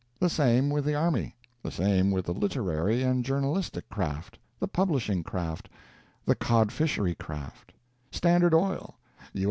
The same with the army; the same with the literary and journalistic craft; the publishing craft; the cod fishery craft; Standard Oil; U.